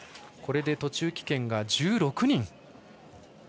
これで途中棄権が１６人。